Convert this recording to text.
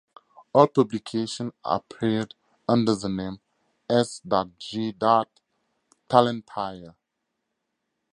All publications appeared under the name S. G. Tallentyre.